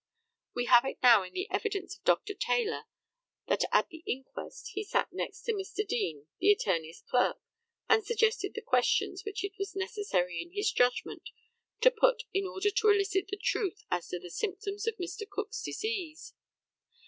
We have it now in the evidence of Dr. Taylor that at the inquest he sat next to Mr. Deane, the attorney's clerk, and suggested the questions which it was necessary in his judgment to put in order to elicit the truth as to the symptoms of Mr. Cook's disease.